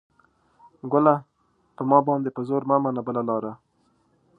ګله ! په ما باندې په زور مه منه بله لاره